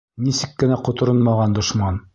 Нисек кенә ҡоторонмаған дошман!